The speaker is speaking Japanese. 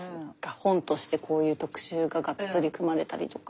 本としてこういう特集ががっつり組まれたりとか。